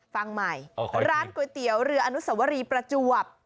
ฟังใหม่ร้านก๋วยเตี๋ยวเรืออนุสวรีประจวบ